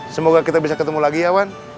semoga kita bisa ketemu lagi ya wan